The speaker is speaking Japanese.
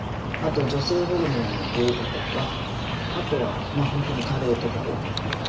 あと女性ホルモンの低下とかあとは本当に加齢とかで起こる。